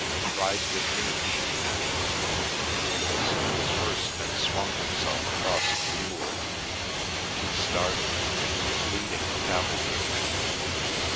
"Ride with me," she commanded; and, as soon as Hirst had swung himself across a mule, the two started, leading the cavalcade.